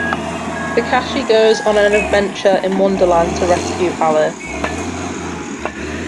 Takashi goes on an adventure in Wonderland to rescue Alice.